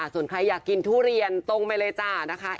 ส่วนใครอยากกินทุเรียนตรงไปเลยจ้านะคะ